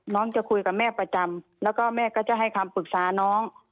น้องจะคุยกับแม่ประจำแล้วก็แม่ก็จะให้คำปรึกษาน้อง